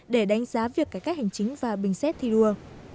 để đánh giá việc cải cách hành chính và bình xét thi đua